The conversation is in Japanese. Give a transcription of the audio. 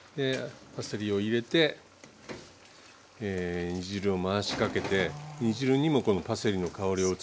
パセリを入れて煮汁を回しかけて煮汁にもこのパセリの香りを移します。